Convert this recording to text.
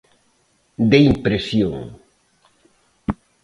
De impresión.